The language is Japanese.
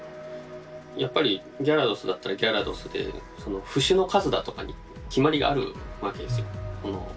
やっぱりギャラドスだったらギャラドスで節の数だとかに決まりがあるわけですよ。